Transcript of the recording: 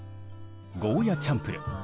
ゴーヤーチャンプルー。